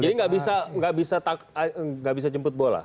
jadi nggak bisa jemput bola